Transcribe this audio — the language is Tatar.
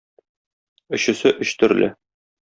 Өчесе өч төрле.